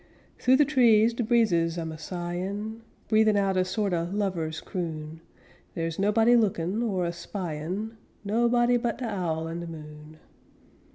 Thoo de trees de breezes am a sighin', Breathin' out a sort o' lover's croon, Der's nobody lookin' or a spyin', Nobody but de owl an' de moon.